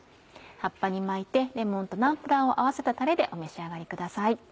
葉っぱに巻いてレモンとナンプラーを合わせたタレでお召し上がりください。